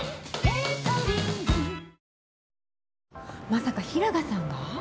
まさか平賀さんが？